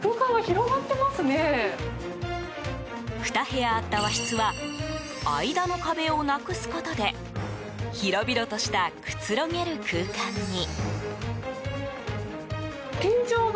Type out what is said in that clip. ２部屋あった和室は間の壁をなくすことで広々とした、くつろげる空間に。